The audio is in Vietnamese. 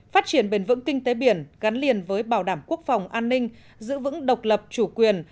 phát triển bền vững kinh tế biển gắn liền với bảo đảm quốc phòng an ninh giữ vững độc lập chủ quyền